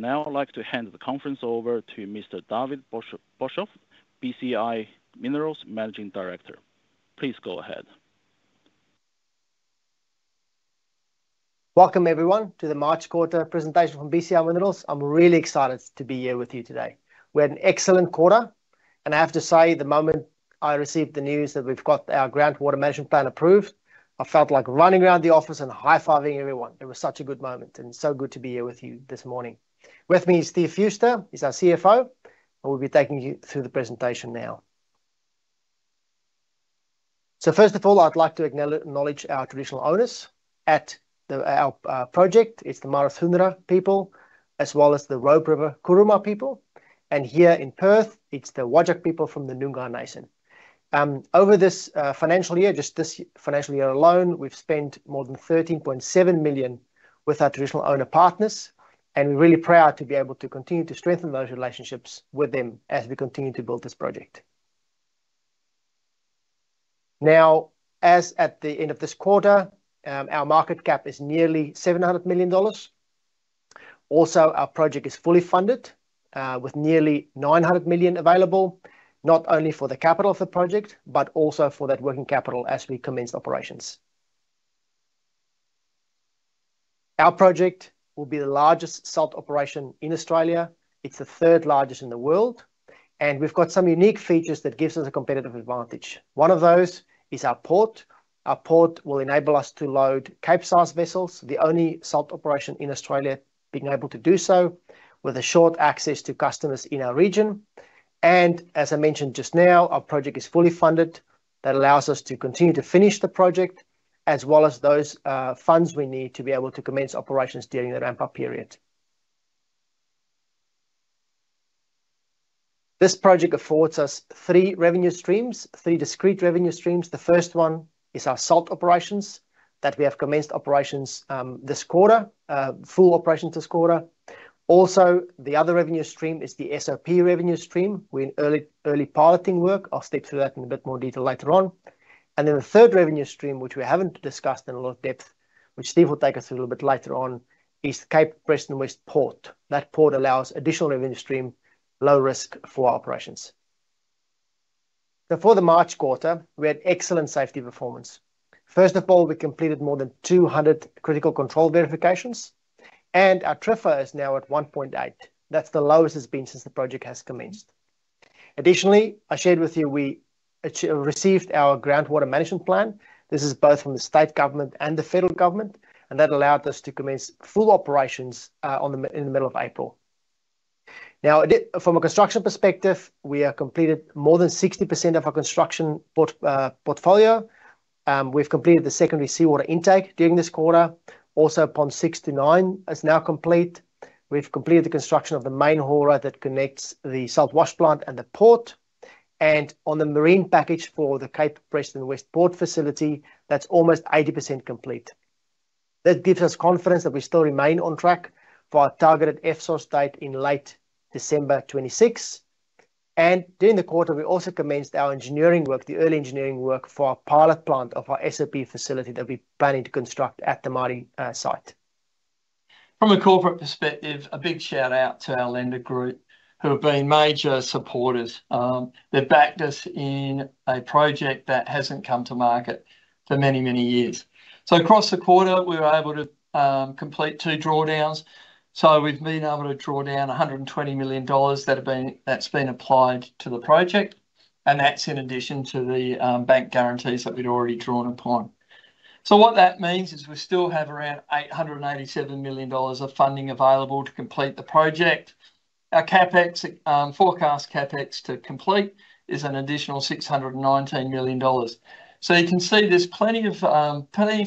Now I'd like to hand the conference over to Mr. David Boshoff, BCI Minerals Managing Director. Please go ahead. Welcome, everyone, to the March Quarter presentation from BCI Minerals. I'm really excited to be here with you today. We had an excellent quarter, and I have to say, the moment I received the news that we've got our Groundwater Management Plan approved, I felt like running around the office and high-fiving everyone. It was such a good moment, and so good to be here with you this morning. With me is Steve Fewster, he's our CFO, and we'll be taking you through the presentation now. First of all, I'd like to acknowledge our traditional owners at our project. It's the Mardudhunera people, as well as Robe River Kuruma people. Here in Perth, it's the Whadjuk people from the Nyoongar Nation. Over this financial year, just this financial year alone, we've spent more than 13.7 million with our traditional owner partners, and we're really proud to be able to continue to strengthen those relationships with them as we continue to build this project. Now, as at the end of this quarter, our market cap is nearly 700 million dollars. Also, our project is fully funded with nearly 900 million available, not only for the capital for the project, but also for that working capital as we commence operations. Our project will be the largest salt operation in Australia. It's the third largest in the world, and we've got some unique features that give us a competitive advantage. One of those is our port. Our port will enable us to load cape-sized vessels, the only salt operation in Australia being able to do so with short access to customers in our region. As I mentioned just now, our project is fully funded. That allows us to continue to finish the project, as well as those funds we need to be able to commence operations during the ramp-up period. This project affords us three revenue streams, three discrete revenue streams. The first one is our salt operations that we have commenced operations this quarter, full operations this quarter. Also, the other revenue stream is the SOP revenue stream. We're in early piloting work. I'll stick to that in a bit more detail later on. The third revenue stream, which we haven't discussed in a lot of depth, which Steve will take us a little bit later on, is Cape Preston West Port. That port allows additional revenue stream, low risk for our operations. For the March quarter, we had excellent safety performance. First of all, we completed more than 200 critical control verifications, and our TRIFR is now at 1.8. That's the lowest it's been since the project has commenced. Additionally, I shared with you we received our Groundwater Management Plan. This is both from the state government and the federal government, and that allowed us to commence full operations in the middle of April. Now, from a construction perspective, we have completed more than 60% of our construction portfolio. We've completed the secondary seawater intake during this quarter. Also, pond 69 is now complete. We've completed the construction of the main haul road that connects the salt wash plant and the port. On the marine package for the Cape Preston West Port facility, that's almost 80% complete. That gives us confidence that we still remain on track for our targeted FSOS date in late December 2026. During the quarter, we also commenced our engineering work, the early engineering work for our pilot plant of our SOP facility that we're planning to construct at the Mardie site. From a corporate perspective, a big shout-out to our lender group, who have been major supporters. They've backed us in a project that hasn't come to market for many, many years. Across the quarter, we were able to complete two drawdowns. We've been able to draw down 120 million dollars that's been applied to the project, and that's in addition to the bank guarantees that we'd already drawn upon. What that means is we still have around 887 million dollars of funding available to complete the project. Our forecast CapEx to complete is an additional 619 million dollars. You can see there's plenty of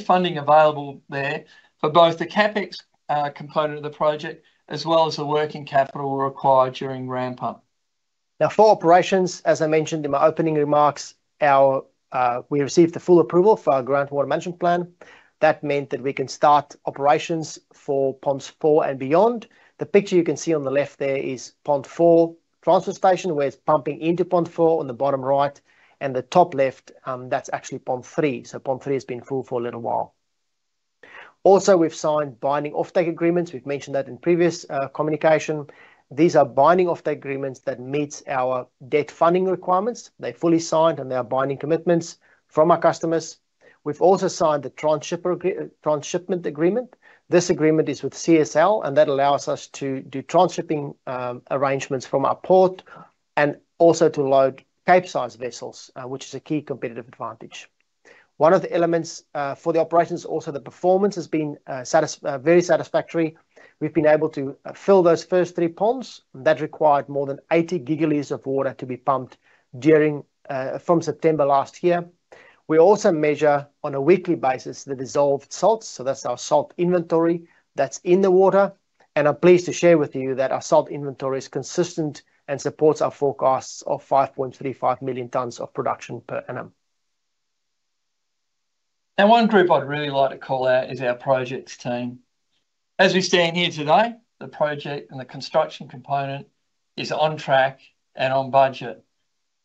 funding available there for both the CapEx component of the project as well as the working capital required during ramp-up. Now, for operations, as I mentioned in my opening remarks, we received the full approval for our Groundwater Management Plan. That meant that we can start operations for ponds four and beyond. The picture you can see on the left there is pond four transfer station, where it's pumping into pond four on the bottom right, and the top left, that's actually pond three. So pond three has been full for a little while. Also, we've signed binding offtake agreements. We've mentioned that in previous communication. These are binding offtake agreements that meet our debt funding requirements. They're fully signed, and they are binding commitments from our customers. We've also signed the transshipment agreement. This agreement is with CSL, and that allows us to do transshipping arrangements from our port and also to load cape-sized vessels, which is a key competitive advantage. One of the elements for the operations, also the performance, has been very satisfactory. We've been able to fill those first three ponds. That required more than 80 gigalitres of water to be pumped from September last year. We also measure on a weekly basis the dissolved salts. That is our salt inventory that is in the water. I am pleased to share with you that our salt inventory is consistent and supports our forecasts of 5.35 million tonnes of production per annum. One group I'd really like to call out is our projects team. As we stand here today, the project and the construction component is on track and on budget.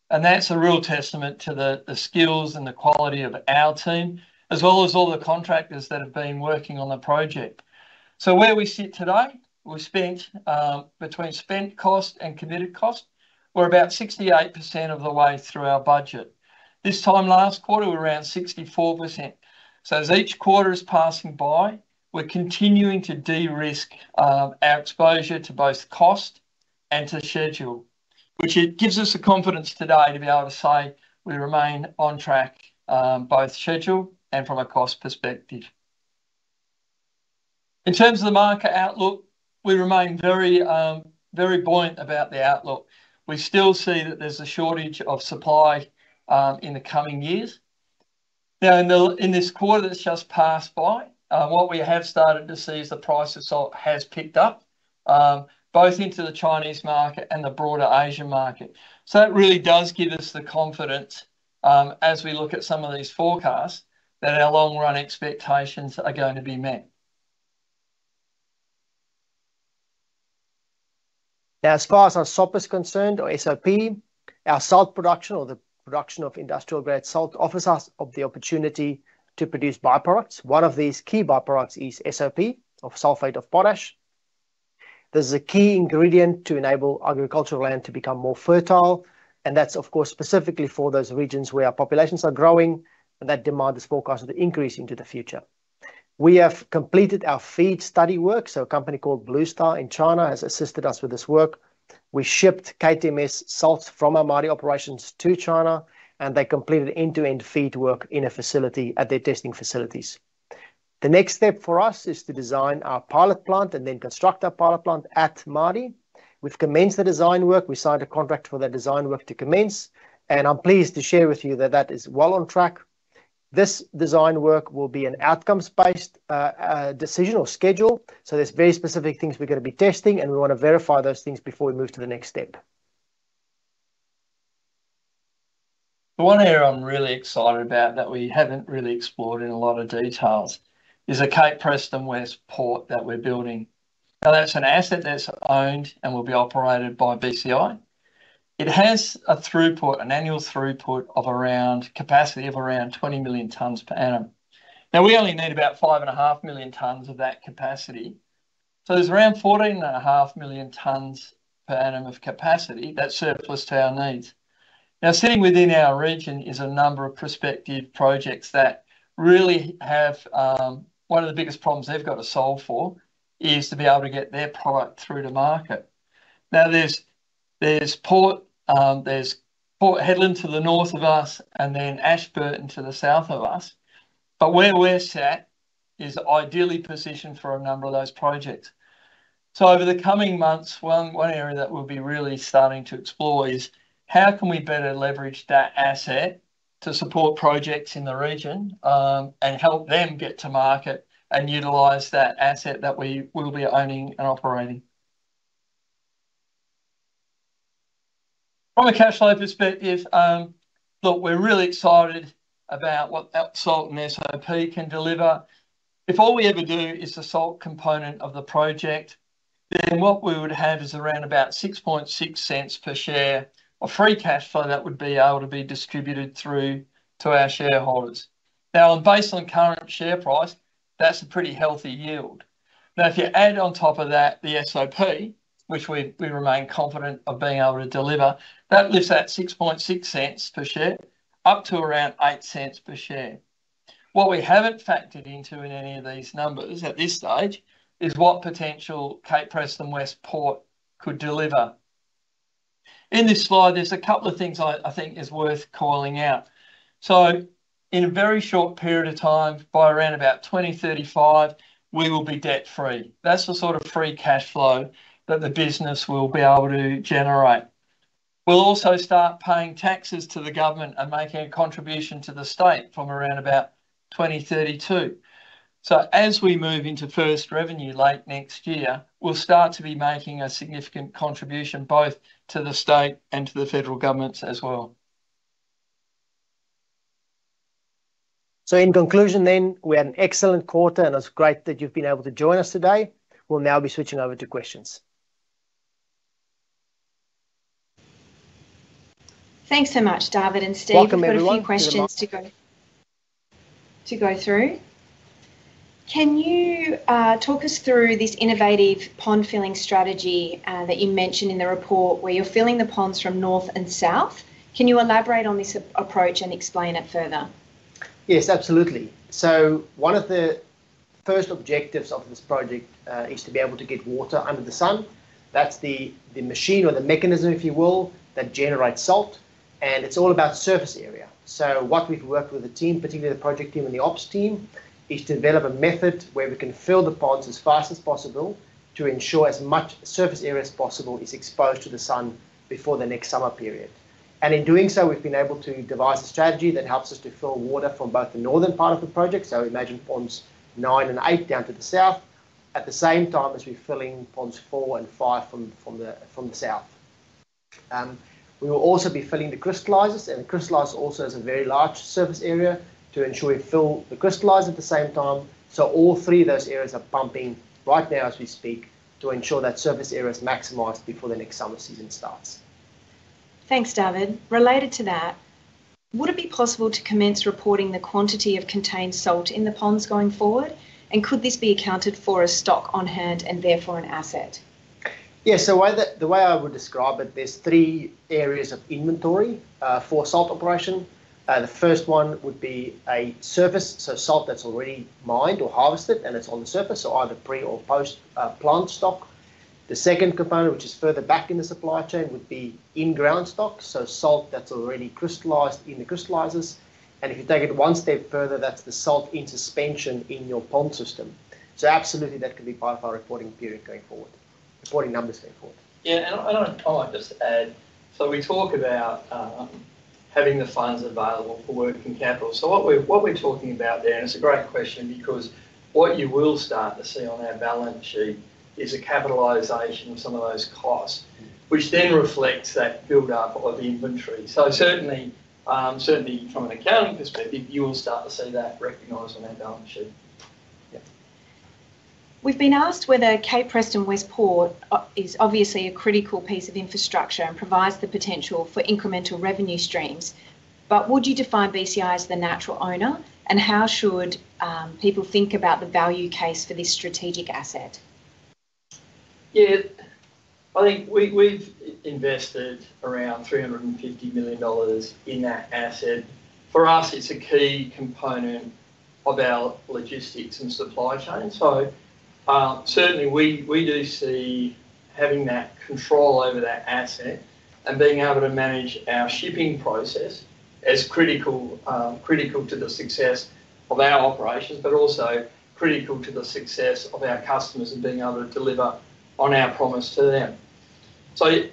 That's a real testament to the skills and the quality of our team, as well as all the contractors that have been working on the project. Where we sit today, we've spent between spent cost and committed cost, we're about 68% of the way through our budget. This time last quarter, we were around 64%. As each quarter is passing by, we're continuing to de-risk our exposure to both cost and to schedule, which gives us the confidence today to be able to say we remain on track, both schedule and from a cost perspective. In terms of the market outlook, we remain very buoyant about the outlook. We still see that there's a shortage of supply in the coming years. In this quarter that's just passed by, what we have started to see is the price that has picked up both into the Chinese market and the broader Asian market. It really does give us the confidence as we look at some of these forecasts that our long-run expectations are going to be met. Now, as far as our SOP is concerned, or SOP, our salt production, or the production of industrial-grade salt, offers us the opportunity to produce by-products. One of these key by-products is SOP, or sulfate of potash. This is a key ingredient to enable agricultural land to become more fertile. That is, of course, specifically for those regions where our populations are growing, and that demand is forecasted to increase into the future. We have completed our FEED study work. A company called Bluestar in China has assisted us with this work. We shipped KTMS salts from our Mardie operations to China, and they completed end-to-end FEED work in a facility at their testing facilities. The next step for us is to design our pilot plant and then construct our pilot plant at Mardie. We have commenced the design work. We signed a contract for the design work to commence. I'm pleased to share with you that that is well on track. This design work will be an outcomes-based decision or schedule. There are very specific things we're going to be testing, and we want to verify those things before we move to the next step. One area I'm really excited about that we haven't really explored in a lot of detail is the Cape Preston West Port that we're building. Now, that's an asset that's owned and will be operated by BCI. It has a throughput, an annual throughput of around capacity of around 20 million tonnes per annum. Now, we only need about 5.5 million tonnes of that capacity. So there's around 14.5 million tonnes per annum of capacity that's surplus to our needs. Now, sitting within our region is a number of prospective projects that really have one of the biggest problems they've got to solve for is to be able to get their product through to market. Now, there's Port Hedland to the north of us and then Ashburton to the south of us. Where we're sat is ideally positioned for a number of those projects. Over the coming months, one area that we'll be really starting to explore is how can we better leverage that asset to support projects in the region and help them get to market and utilize that asset that we will be owning and operating. From a cash flow perspective, look, we're really excited about what salt and SOP can deliver. If all we ever do is the salt component of the project, then what we would have is around $0.066 per share of free cash flow that would be able to be distributed through to our shareholders. Now, based on current share price, that's a pretty healthy yield. If you add on top of that the SOP, which we remain confident of being able to deliver, that lifts that $0.066 per share up to around $0.08 per share. What we haven't factored into in any of these numbers at this stage is what potential Cape Preston West Port could deliver. In this slide, there's a couple of things I think is worth calling out. In a very short period of time, by around about 2035, we will be debt-free. That's the sort of free cash flow that the business will be able to generate. We'll also start paying taxes to the government and making a contribution to the state from around about 2032. As we move into first revenue late next year, we'll start to be making a significant contribution both to the state and to the federal governments as well. In conclusion, then, we had an excellent quarter, and it's great that you've been able to join us today. We'll now be switching over to questions. Thanks so much, David and Steve. Welcome, everyone. We've got a few questions to go through. Can you talk us through this innovative pond-filling strategy that you mentioned in the report, where you're filling the ponds from north and south? Can you elaborate on this approach and explain it further? Yes, absolutely. One of the first objectives of this project is to be able to get water under the sun. That's the machine or the mechanism, if you will, that generates salt. It's all about surface area. What we've worked with the team, particularly the project team and the ops team, is to develop a method where we can fill the ponds as fast as possible to ensure as much surface area as possible is exposed to the sun before the next summer period. In doing so, we've been able to devise a strategy that helps us to fill water from both the northern part of the project, so imagine ponds nine and eight down to the south, at the same time as we're filling ponds four and five from the south. We will also be filling the crystallizers, and the crystallizers also has a very large surface area to ensure we fill the crystallizers at the same time. All three of those areas are pumping right now as we speak to ensure that surface area is maximized before the next summer season starts. Thanks, David. Related to that, would it be possible to commence reporting the quantity of contained salt in the ponds going forward? Could this be accounted for as stock on hand and therefore an asset? Yes, so the way I would describe it, there's three areas of inventory for salt operation. The first one would be a surface, so salt that's already mined or harvested and it's on the surface, so either pre or post-plant stock. The second component, which is further back in the supply chain, would be in-ground stock, so salt that's already crystallized in the crystallizers. If you take it one step further, that's the salt in suspension in your pond system. Absolutely, that could be part of our reporting period going forward, reporting numbers going forward. Yeah, I might just add, we talk about having the funds available for working capital. What we're talking about there, and it's a great question because what you will start to see on our balance sheet is a capitalization of some of those costs, which then reflects that build up of inventory. Certainly, from an accounting perspective, you will start to see that recognized on that balance sheet. Yeah. We've been asked whether Cape Preston West Port is obviously a critical piece of infrastructure and provides the potential for incremental revenue streams. Would you define BCI as the natural owner, and how should people think about the value case for this strategic asset? Yeah, I think we've invested around 350 million dollars in that asset. For us, it's a key component of our logistics and supply chain. We do see having that control over that asset and being able to manage our shipping process as critical to the success of our operations, but also critical to the success of our customers and being able to deliver on our promise to them.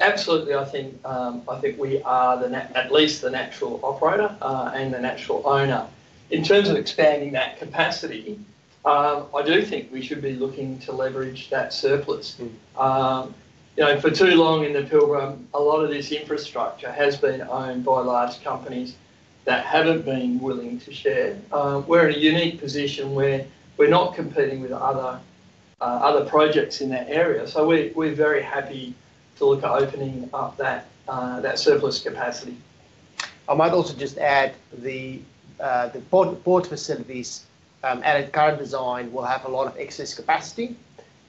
Absolutely, I think we are at least the natural operator and the natural owner. In terms of expanding that capacity, I do think we should be looking to leverage that surplus. For too long in the Pilbara, a lot of this infrastructure has been owned by large companies that haven't been willing to share. We're in a unique position where we're not competing with other projects in that area. We're very happy to look at opening up that surplus capacity. I might also just add the port facilities at current design will have a lot of excess capacity.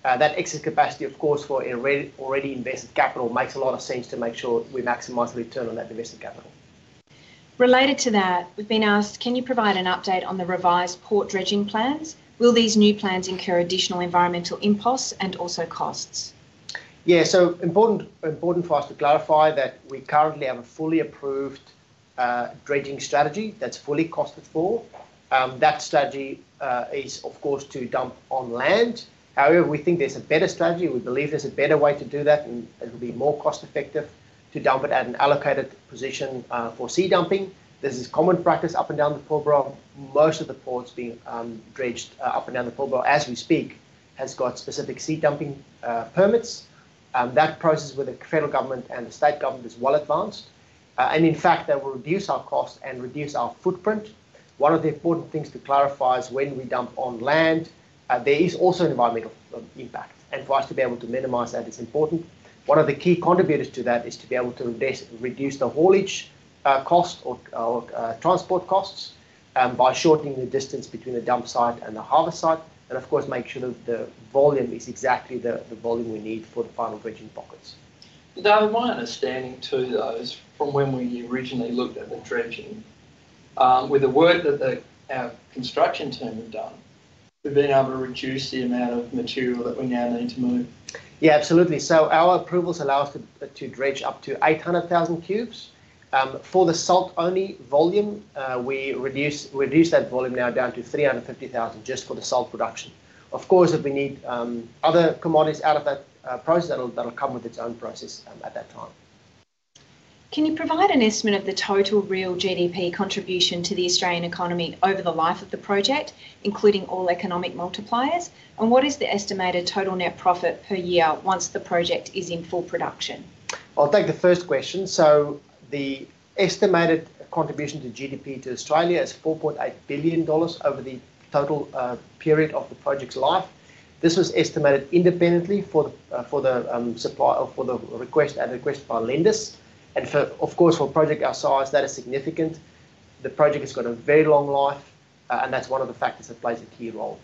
That excess capacity, of course, for already invested capital, makes a lot of sense to make sure we maximize the return on that invested capital. Related to that, we've been asked, can you provide an update on the revised port dredging plans? Will these new plans incur additional environmental impacts and also costs? Yeah, so important for us to clarify that we currently have a fully approved dredging strategy that's fully costless for. That strategy is, of course, to dump on land. However, we think there's a better strategy. We believe there's a better way to do that, and it will be more cost-effective to dump it at an allocated position for sea dumping. This is common practice up and down the Pilbara. Most of the ports being dredged up and down the Pilbara as we speak has got specific sea dumping permits. That process with the federal government and the state government is well advanced. In fact, that will reduce our costs and reduce our footprint. One of the important things to clarify is when we dump on land, there is also an environmental impact. For us to be able to minimize that is important. One of the key contributors to that is to be able to reduce the haulage costs or transport costs by shortening the distance between the dump site and the harvest site. Of course, make sure that the volume is exactly the volume we need for the final dredging pockets. David, my understanding to those from when we originally looked at the dredging, with the work that our construction team had done, we've been able to reduce the amount of material that we now need to move. Yeah, absolutely. Our approvals allow us to dredge up to 800,000 cubes. For the salt-only volume, we reduce that volume now down to 350,000 just for the salt production. Of course, if we need other commodities out of that process, that'll come with its own process at that time. Can you provide an estimate of the total real GDP contribution to the Australian economy over the life of the project, including all economic multipliers? What is the estimated total net profit per year once the project is in full production? I'll take the first question. The estimated contribution to GDP to Australia is 4.8 billion dollars over the total period of the project's life. This was estimated independently for the request and request by lenders. Of course, for a project our size, that is significant. The project has got a very long life, and that's one of the factors that plays a key role.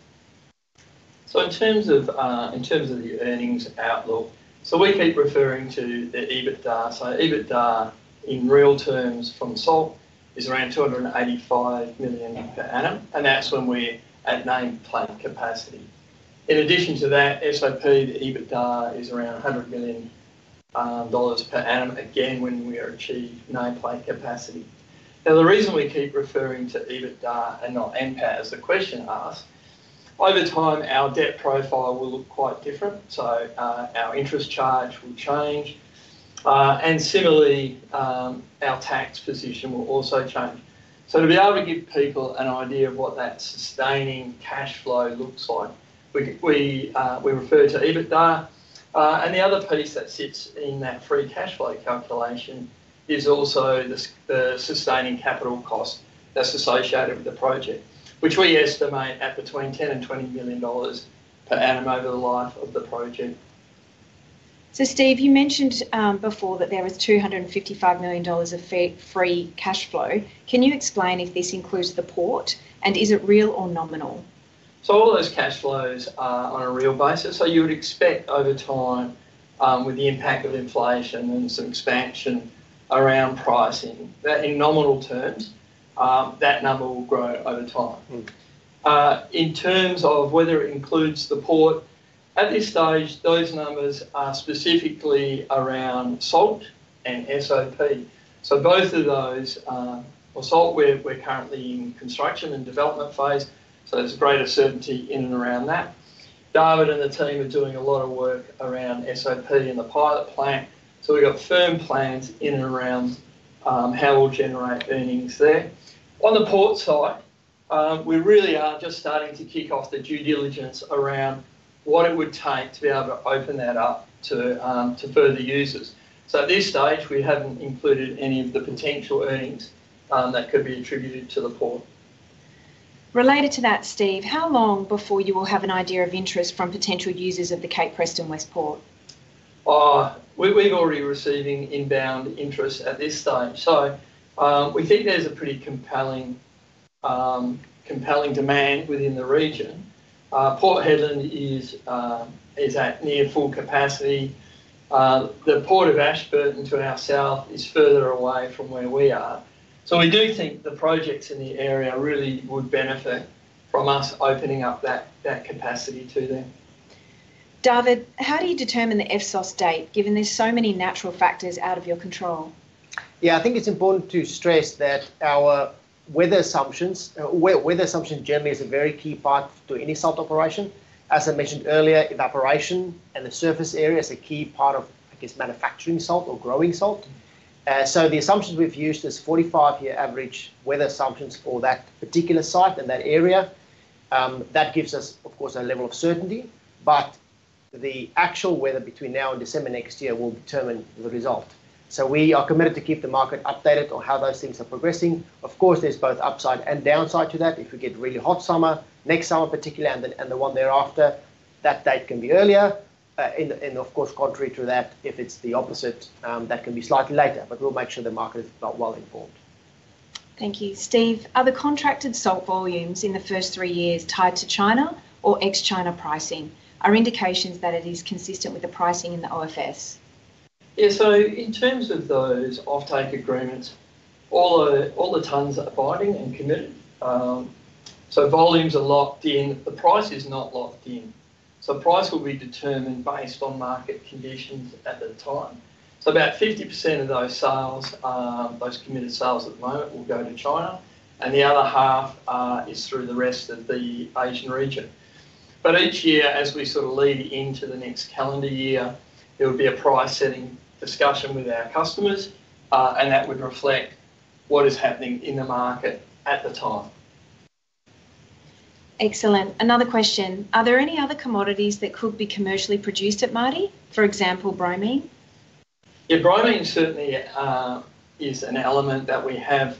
In terms of the earnings outlook, we keep referring to the EBITDA. EBITDA in real terms from salt is around 285 million per annum. That is when we are at nameplate capacity. In addition to that, SOP, the EBITDA is around 100 million dollars per annum, again, when we achieve nameplate capacity. The reason we keep referring to EBITDA and not NPAT is the question asked. By that time, our debt profile will look quite different. Our interest charge will change. Similarly, our tax position will also change. To be able to give people an idea of what that sustaining cash flow looks like, we refer to EBITDA. The other piece that sits in that free cash flow calculation is also the sustaining capital cost that's associated with the project, which we estimate at between 10 million and 20 million dollars per annum over the life of the project. Steve, you mentioned before that there was 255 million dollars of free cash flow. Can you explain if this includes the port? Is it real or nominal? All those cash flows are on a real basis. You would expect over time, with the impact of inflation and some expansion around pricing, that in nominal terms, that number will grow over time. In terms of whether it includes the port, at this stage, those numbers are specifically around salt and SOP. Both of those, or salt, we're currently in construction and development phase, so there's a greater certainty in and around that. David and the team are doing a lot of work around SOP in the pilot plant. We've got firm plans in and around how we'll generate earnings there. On the port side, we really are just starting to kick off the due diligence around what it would take to be able to open that up to further users. At this stage, we haven't included any of the potential earnings that could be attributed to the port. Related to that, Steve, how long before you will have an idea of interest from potential users of the Cape Preston West Port? We've already received inbound interest at this stage. We think there's a pretty compelling demand within the region. Port Hedland is at near full capacity. The port of Ashburton to our south is further away from where we are. We do think the projects in the area really would benefit from us opening up that capacity to them. David, how do you determine the FSOS date, given there's so many natural factors out of your control? Yeah, I think it's important to stress that our weather assumptions, weather assumptions generally is a very key part to any salt operation. As I mentioned earlier, evaporation and the surface area is a key part of, I guess, manufacturing salt or growing salt. The assumptions we've used is 45-year average weather assumptions for that particular site and that area. That gives us, of course, a level of certainty. The actual weather between now and December next year will determine the result. We are committed to keep the market updated on how those things are progressing. Of course, there's both upside and downside to that. If we get really hot summer, next summer particularly, and the one thereafter, that date can be earlier. Of course, contrary to that, if it's the opposite, that can be slightly later. We'll make sure the market is well informed. Thank you. Steve, are the contracted salt volumes in the first three years tied to China or ex-China pricing? Our indication is that it is consistent with the pricing in the OFS. Yeah, in terms of those off-take agreements, all the tons are abiding and committed. Volumes are locked in. The price is not locked in. Price will be determined based on market conditions at the time. About 50% of those committed sales at the moment will go to China. The other half is through the rest of the Asian region. Each year, as we sort of lean into the next calendar year, there will be a price-setting discussion with our customers. That would reflect what is happening in the market at the time. Excellent. Another question. Are there any other commodities that could be commercially produced at Mardie, for example, bromine? Yeah, bromine certainly is an element that we have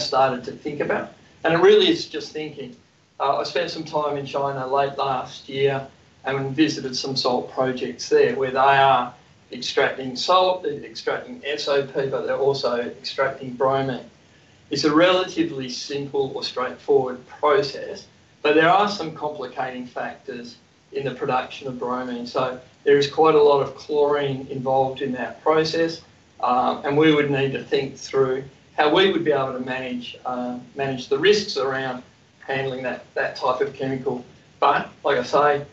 started to think about. It really is just thinking. I spent some time in China late last year and visited some salt projects there where they are extracting salt. They're extracting SOP, but they're also extracting bromine. It's a relatively simple or straightforward process, but there are some complicating factors in the production of bromine. There is quite a lot of chlorine involved in that process. We would need to think through how we would be able to manage the risks around handling that type of chemical. Like I say,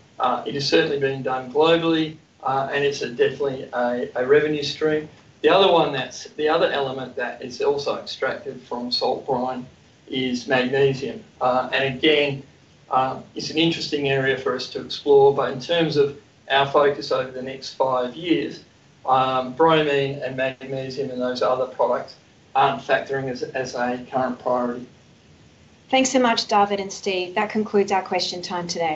it is certainly being done globally, and it's definitely a revenue stream. The other element that is also extracted from salt brine is magnesium. Again, it's an interesting area for us to explore. In terms of our focus over the next five years, bromine and magnesium and those other products aren't factoring as a current priority. Thanks so much, David and Steve. That concludes our question time today.